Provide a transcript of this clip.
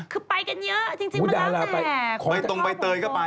ก็ไปกันเยอะถูกด่างกับประวัติภาพ